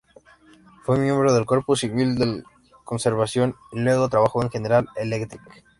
Fue miembro del Cuerpo Civil de Conservación y luego trabajó en General Electric.